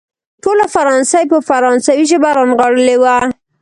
ټوله فرانسه يې په فرانسوي ژبه رانغاړلې وه.